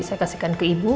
saya kasihkan ke ibu